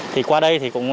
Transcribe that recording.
thì qua đây thì cũng